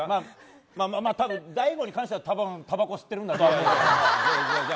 まあ、たぶん大悟に関してはたばこ吸ってるんだと思う。